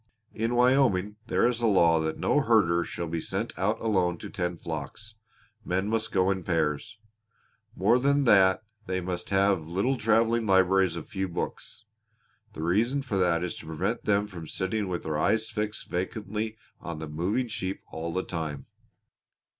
In Wyoming there is a law that no herder shall be sent out alone to tend flocks; men must go in pairs. More than that they must have little traveling libraries of a few books. The reason for that is to prevent them from sitting with their eyes fixed vacantly on the moving sheep all the time.